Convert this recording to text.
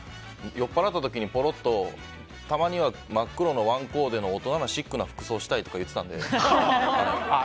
酔っぱらった時にぽろっとたまには真っ黒のワンコーデの大人なシックな服装したいとか言ってたので。